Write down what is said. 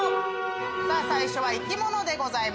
最初は生き物でございます。